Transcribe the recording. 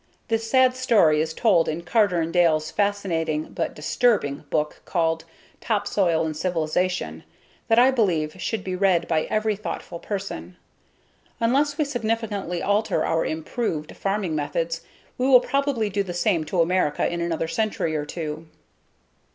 This sad story is told in Carter and Dale's fascinating, but disturbing, book called _Topsoil and Civilization _that I believe should be read by every thoughtful person. Unless we significantly alter our "improved" farming methods we will probably do the same to America in another century or two.